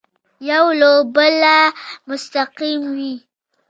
یو له بله مستقل وي.